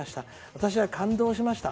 私は感動しました。